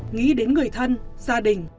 nghĩ đến người thân gia đình